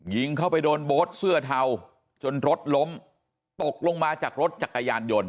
ยิงเข้าไปโดนโบ๊ทเสื้อเทาจนรถล้มตกลงมาจากรถจักรยานยนต์